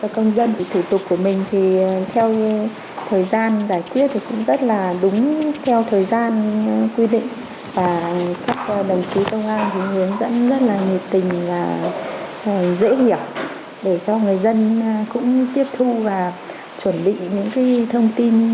công an phường hướng dẫn rất là nhịp tình và dễ hiểu để cho người dân cũng tiếp thu và chuẩn bị những thông tin